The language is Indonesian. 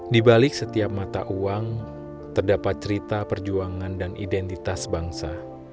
di balik setiap mata uang terdapat cerita perjuangan dan identitas bangsa